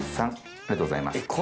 ありがとうございます。